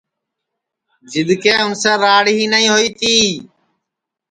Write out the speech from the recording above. جِدؔ کہ اُنسے راڑ ہی نائی ہوئی تی